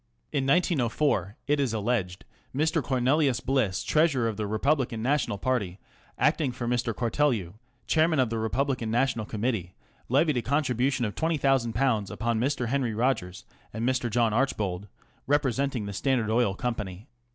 In 1904, it is alleged, Mr. Cornelius Bliss, treasurer of the Republican National party, acting for Mr. Cortelyou, chairman of the Republican National Committee, levied a contribution of ^20,000 upon Mr. Henry Rogers and Mr. John Archbold, repre senting the Standard Oil Company.